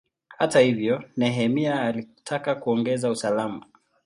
Hata hivyo, Nehemia alitaka kuongeza usalama.